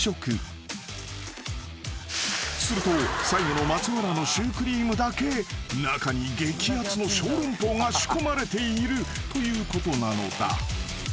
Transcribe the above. ［すると最後の松村のシュークリームだけ中に激あつのショーロンポーが仕込まれているということなのだ］